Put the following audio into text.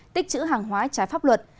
tích chữ hàng hóa trái pháp luật